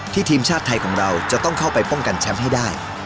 ทีมชาติไทยของเราจะต้องเข้าไปป้องกันแชมป์ให้ได้